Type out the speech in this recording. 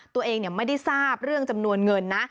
ตัวเองไม่ได้ทราบเรื่องจำนวนเงินนะ